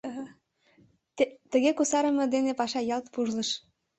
Тыге кусарыме дене паша ялт пужлыш.